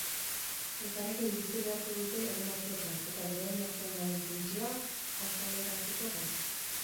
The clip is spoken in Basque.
Elkarrekin bizi beharko dute egun batzuetan eta beraien artean dauden tentsioa azaleraziko da.